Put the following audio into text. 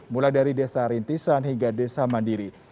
mulai dari desa rintisan hingga desa mandiri